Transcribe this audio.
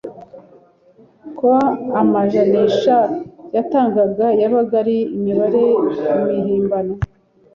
ko amajanisha yatangaga yabaga ari imibare mihimbano